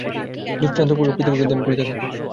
দৃষ্টান্তস্বরূপ পৃথিবীকে ধ্যান করিতে থাকুন।